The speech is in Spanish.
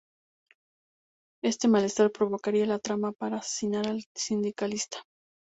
Este malestar provocaría la trama para asesinar al sindicalista.